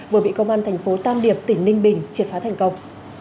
vừa bị công an thành phố tam điệp tỉnh ninh bình triệt phá thành công